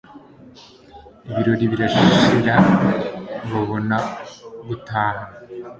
Ibirori birashira babona gutaha